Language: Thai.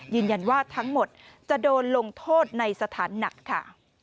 ยืนยันว่าทั้งหมดจะโดนลงโทษในสถานหนักค่ะ